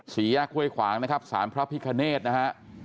ศรียากข้วยขวางนะครับศาลพระพิกเนตรนะฮะ